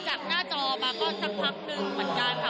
หน้าจอมาก็สักพักนึงเหมือนกันค่ะ